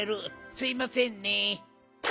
すいませんね。